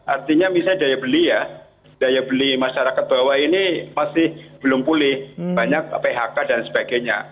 artinya misalnya daya beli ya daya beli masyarakat bawah ini masih belum pulih banyak phk dan sebagainya